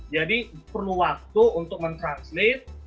jadi perlu waktu untuk men translate